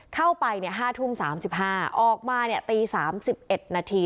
เข้าไปเนี่ย๕ทุ่ม๓๕นาทีออกมาเนี่ยตี๓๑นาที